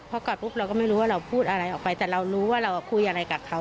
พอกอดปุ๊บเราก็ไม่รู้ว่าเราพูดอะไรออกไปแต่เรารู้ว่าเราคุยอะไรกับเขา